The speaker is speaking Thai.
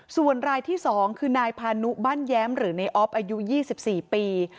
ส่วนรายที่๒คือนายพานุบ้านแย้มหรือในออฟอายุ๒๔ปี